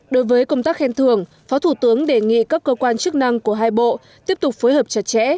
đối với công tác khen thưởng phó thủ tướng đề nghị các cơ quan chức năng của hai bộ tiếp tục phối hợp chặt chẽ